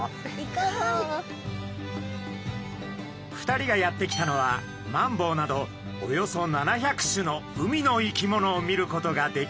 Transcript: ２人がやって来たのはマンボウなどおよそ７００種の海の生き物を見ることができる水族館。